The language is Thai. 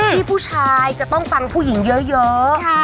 ที่ผู้ชายจะต้องฟังผู้หญิงเยอะ